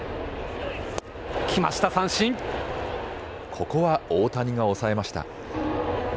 ここは大谷が抑えました。